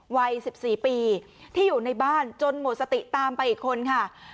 วัย๑๔ปีที่อยู่ในบ้านจนหมดสติตามไปอีกคนค่ะ